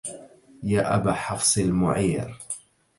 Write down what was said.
يا أبا حفص المعير